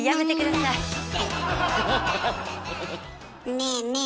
ねえねえ